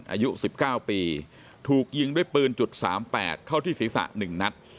อายุ๑๙ปีถูกยิงด้วยปืน๓๘เข้าที่ศีรษะ๑นัด